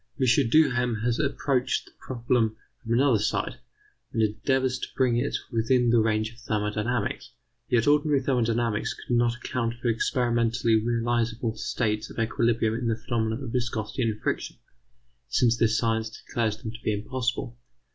M. Duhem has approached the problem from another side, and endeavours to bring it within the range of thermodynamics. Yet ordinary thermodynamics could not account for experimentally realizable states of equilibrium in the phenomena of viscosity and friction, since this science declares them to be impossible.